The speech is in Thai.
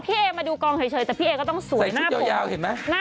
พี่เอ๋บมาดูกองเฉยแต่พี่เอ๋บก็ต้องสวยหน้าผม